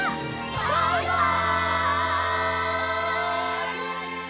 バイバイ！